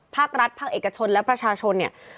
ภาครัฐภาคเอกชนและประชาชนเนี่ย